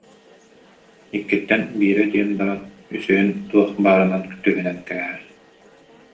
Иккиттэн биирэ диэн баран үсүһүн туох баарынан түһүнэн кээһэр